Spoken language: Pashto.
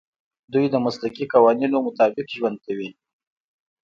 دوی د مسلکي قوانینو مطابق ژوند کوي.